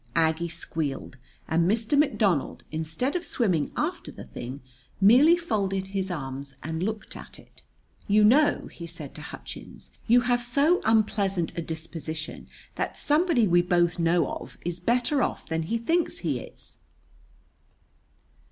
Aggie squealed; and Mr. McDonald, instead of swimming after the thing, merely folded his arms and looked at it. "You know," he said to Hutchins, "you have so unpleasant a disposition that somebody we both know of is better off than he thinks he is!"